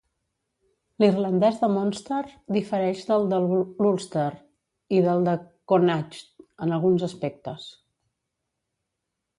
L'irlandès de Munster difereix del de l'Ulster i del de Connacht en alguns aspectes.